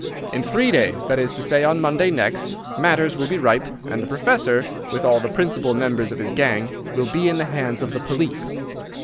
In three days—that is to say, on Monday next—matters will be ripe, and the Professor, with all the principal members of his gang, will be in the hands of the police.